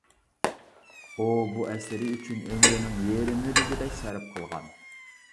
ئۇ بۇ ئەسىرى ئۈچۈن ئۆمرىنىڭ يېرىمىنى دېگۈدەك سەرپ قىلغان.